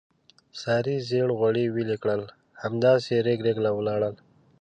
سارې زېړ غوړي ویلې کړل، همداسې رېګ رېګ ولاړل.